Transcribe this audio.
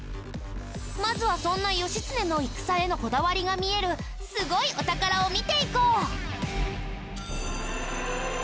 まずはそんな義経の戦へのこだわりが見えるすごいお宝を見ていこう！